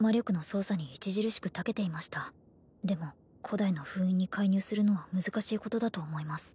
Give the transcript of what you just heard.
古代の封印に介入するのは難しいことだと思います